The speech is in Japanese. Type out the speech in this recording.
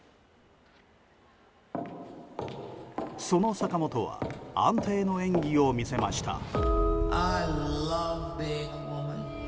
その坂本は安定の演技を見せました。